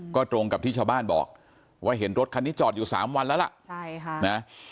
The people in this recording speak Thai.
ก็ตรงกับที่ชาวบ้านบอกว่าเห็นรถคันนี้จอดอยู่๓วันแล้วล่ะใช่ค่ะนะ